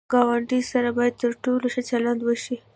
ګاونډي سره باید تر ټولو ښه چلند وشي